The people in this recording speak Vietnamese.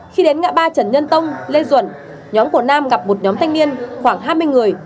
khi đến ngã ba trần nhân tông lê duẩn nhóm của nam gặp một nhóm thanh niên khoảng hai mươi người